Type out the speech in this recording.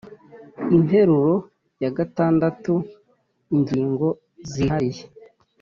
interuro ya gatandatu ingingo zihariye